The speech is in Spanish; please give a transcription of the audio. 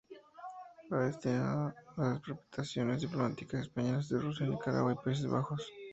Ha estado destinada en las representaciones diplomáticas españolas en Rusia, Nicaragua y Países Bajos.